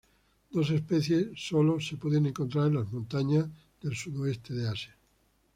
Dos especies sólo se pueden encontrar en las montañas del sudeste de Asia.